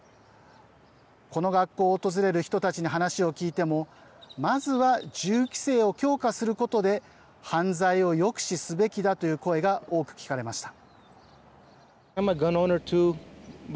この学校を訪れる人たちに話を聞いてもまずは銃規制を強化することで犯罪を抑止すべきだという声が多く聞かれました。